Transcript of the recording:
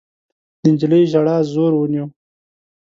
د نجلۍ ژړا زور ونيو.